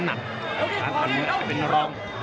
หลักษณะเมื่อเป็นนรอง